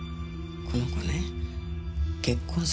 この子ね結婚